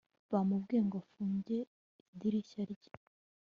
bamubwiye ngo afunge idirishya rye